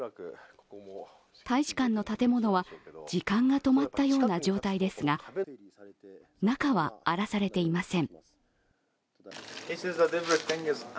大使館の建物は時間が止まったような状態ですが中は荒らされていません。